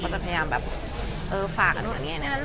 จะพยายามฝากกัน